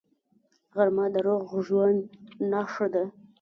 غرمه د روغ ژوند نښه ده